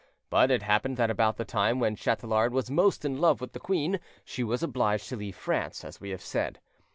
But it happened that about the time when Chatelard was most in love with the queen she was obliged to leave France, as we have said.